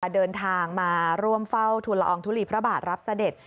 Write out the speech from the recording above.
เดินทางมาร่วมเฝ้าทุลอองทุลีพระบาทรับเสด็จ